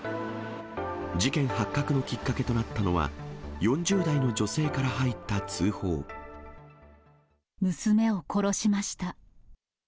事件発覚のきっかけとなったのは、娘を殺しました。